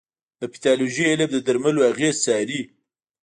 د پیتالوژي علم د درملو اغېز څاري.